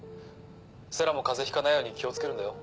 星来も風邪ひかないように気を付けるんだよ。